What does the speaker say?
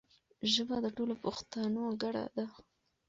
ژبه د ټولو پښتانو ګډه ده.